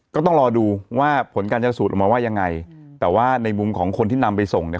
ก็ต้องรอดูว่าผลการจะสูตรออกมาว่ายังไงแต่ว่าในมุมของคนที่นำไปส่งเนี่ย